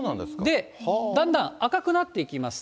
で、だんだん赤くなっていきます。